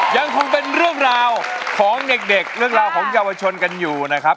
ยังคงเป็นเรื่องราวของเด็กเรื่องราวของเยาวชนกันอยู่นะครับ